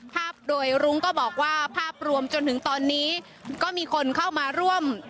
ภาพโดยรุ้งก็บอกว่าภาพรวมจนถึงตอนนี้ก็มีคนเข้ามาร่วม